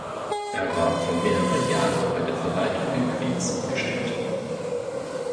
Er war für mehrere Jahre bei der Verwaltung in Queens angestellt.